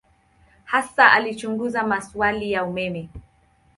Hasa alichunguza maswali ya umeme.